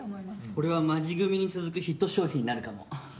これはマジグミに続くヒット商品になるかも。